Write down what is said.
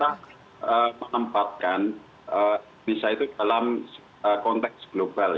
kita menempatkan indonesia itu dalam konteks global